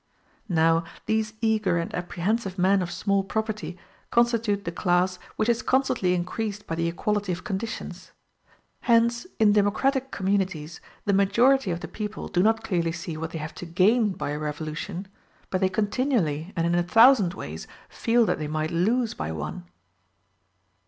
Now these eager and apprehensive men of small property constitute the class which is constantly increased by the equality of conditions. Hence, in democratic communities, the majority of the people do not clearly see what they have to gain by a revolution, but they continually and in a thousand ways feel that they might lose by one.